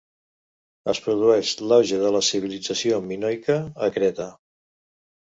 Es produeix l'auge de la civilització minoica a Creta.